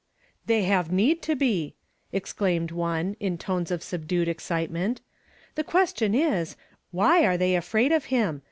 " They have need to be !" exclaimed one, in tones of subdued excitement. " The question is, Why are they afraid of him?